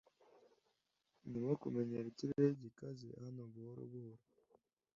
ndimo kumenyera ikirere gikaze hano buhoro buhoro